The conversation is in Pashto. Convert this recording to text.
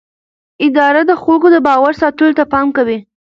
اداره د خلکو د باور ساتلو ته پام کوي.